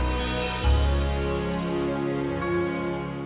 siapa sih ambil dirimu